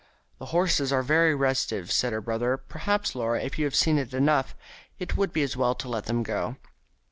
"The horses are very restive," said her brother. "Perhaps, Laura, if you have seen enough, it would be as well to let them go."